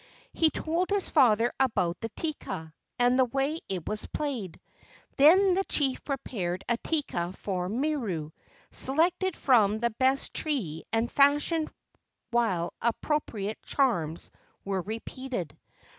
He told his father about the teka and the way it was played. Then the chief prepared a teka for Miru, selected from the best tree and fashioned while appropriate charms were repeated.